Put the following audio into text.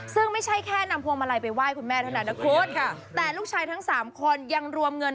ซึ่งไม่ใช่แค่นำหัวมาลัยไปไหว้คุณแม่ทั้งแต่ลูกชายทั้งสามคนยังรวมเงิน